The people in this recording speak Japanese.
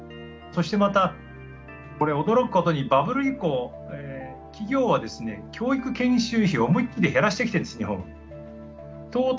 そしてまたこれは驚くことにバブル以降企業はですね教育研修費を思いっきり減らしてきてるんです日本は。